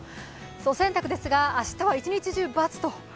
お洗濯ですが、明日は一日中、×と。